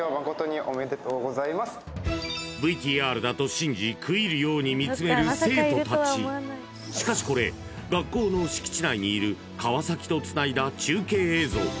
ＶＴＲだと信じ食い入るように見つめる生徒たちしかしこれ学校の敷地内にいる川崎とつないだ中継映像